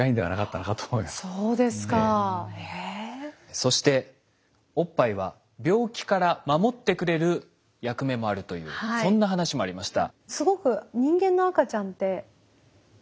そしておっぱいは病気から守ってくれる役目もあるというそんな話もありました。